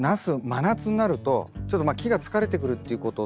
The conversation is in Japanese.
真夏になるとちょっと木が疲れてくるっていうことと。